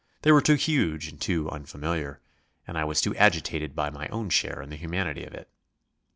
They were too huge and too unfamiliar, and I was too agitated by my own share in the humanity of it.